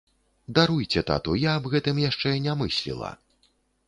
Даруйце, тату, я аб гэтым яшчэ не мысліла.